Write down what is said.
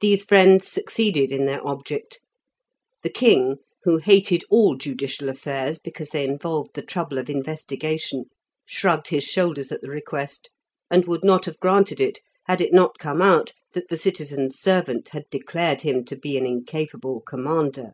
These friends succeeded in their object; the king, who hated all judicial affairs because they involved the trouble of investigation, shrugged his shoulders at the request, and would not have granted it had it not come out that the citizen's servant had declared him to be an incapable commander.